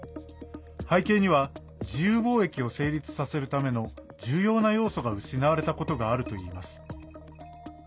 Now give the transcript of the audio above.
背景には自由貿易を成立させるための重要な要素が失われたことがあるといいます。